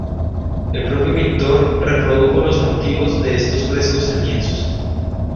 El propio pintor reprodujo los motivos de estos frescos en lienzos.